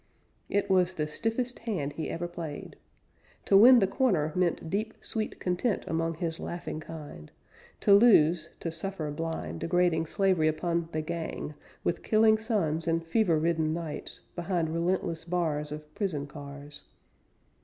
It was the stiffest hand he ever played. To win the corner meant Deep, sweet content Among his laughing kind; To lose, to suffer blind, Degrading slavery upon "the gang," With killing suns, and fever ridden nights Behind relentless bars Of prison cars.